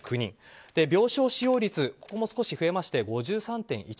病床使用率ここも少し増えまして５３．１％。